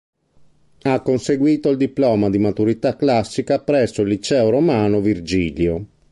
Ha conseguito il diploma di maturità classica presso il liceo romano Virgilio.